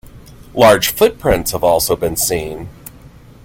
Large footprints have also been seen.